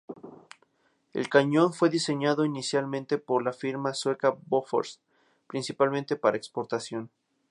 El cañón fue diseñado inicialmente por la firma sueca Bofors, principalmente para exportación.